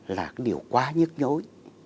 là điều quá nhức nhối